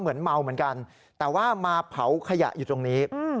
เหมือนเมาเหมือนกันแต่ว่ามาเผาขยะอยู่ตรงนี้